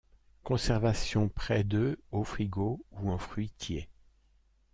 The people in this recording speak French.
Conservation près de au frigo ou en fruitier.